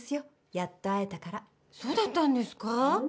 やっと会えたからそうだったんですか？